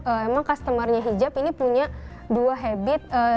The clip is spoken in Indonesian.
emang customernya hijab ini punya dua habit